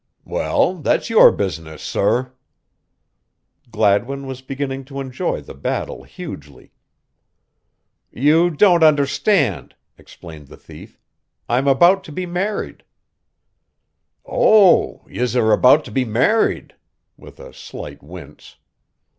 "Well, that's your business, sorr." Gladwin was beginning to enjoy the battle hugely. "You don't understand," explained the thief. "I'm about to be married." "Oh, yez are about to be married!" with a slight wince.